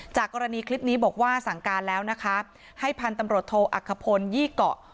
กรณีคลิปนี้บอกว่าสั่งการแล้วนะคะให้พันธุ์ตำรวจโทอักขพลยี่เกาะ